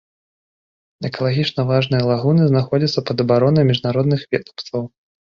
Экалагічна важныя лагуны знаходзяцца пад абаронай міжнародных ведамстваў.